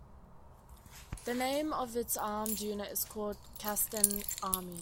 The name of its armed unit is called Kasdan Army.